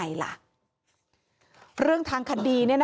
มีเรื่องอะไรมาคุยกันรับได้ทุกอย่าง